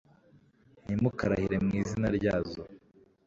ntimukarahire mu izina ryazo